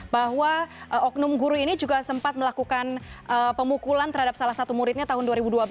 bahwa oknum guru ini juga sempat melakukan pemukulan terhadap salah satu muridnya tahun dua ribu dua belas